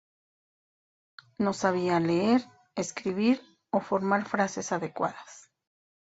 No sabían leer, escribir o formar frases adecuadas.